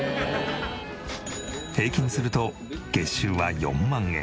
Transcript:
平均すると月収は４万円。